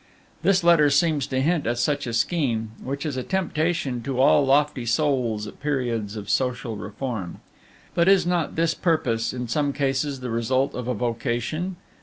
This letter seems to hint at such a scheme, which is a temptation to all lofty souls at periods of social reform. But is not this purpose, in some cases, the result of a vocation?